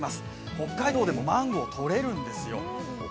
北海道でもマンゴー、とれるんですよ。